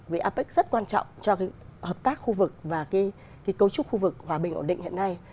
với apec rất quan trọng cho hợp tác khu vực và cấu trúc khu vực hòa bình ổn định hiện nay